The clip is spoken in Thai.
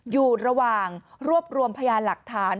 อยู่ระหว่างรวบรวมพยานหลักฐาน